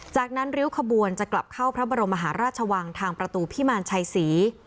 จากนั้นริ้วขบวนจะกลับเข้าพระบรมมหาราชวังทางประตูพิมารชัยศรี